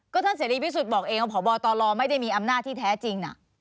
ก็ท่านเศรษฐีพิสูจน์บอกเองว่าผ่อบอตรไม่ได้มีอำนาจที่แท้จริงน่ะ